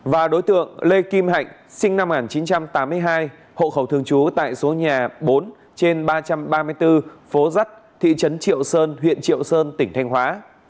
và đối tượng lê kim hạnh sinh năm một nghìn chín trăm tám mươi hai hộ khẩu thường trú tại số nhà bốn trên ba trăm ba mươi bốn phố dắt thị trấn triệu sơn huyện triệu sơn tỉnh thanh hóa